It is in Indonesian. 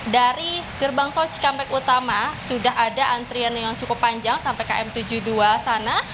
dari gerbang tol cikampek utama sudah ada antrian yang cukup panjang sampai km tujuh puluh dua sana